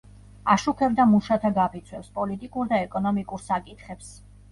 აშუქებდა მუშათა გაფიცვებს, პოლიტიკურ და ეკონომიკურ საკითხებს.